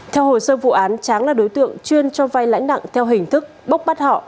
theo hồ sơ vụ án tráng là đối tượng chuyên cho vai lãnh nặng theo hình thức bốc bắt họ